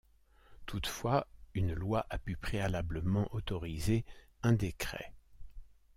Toutefois, une loi a pu préalablement autoriser un décret.